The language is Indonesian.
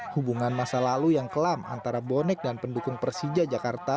hubungan masa lalu yang kelam antara bonek dan pendukung persija jakarta